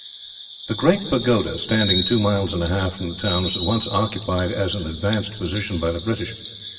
The great pagoda, standing two miles and a half from the town, was at once occupied as an advanced position by the British.